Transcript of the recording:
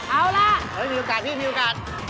เอาล่ะพี่มีโอกาส